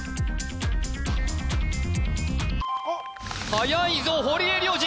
はやいぞ堀江亮次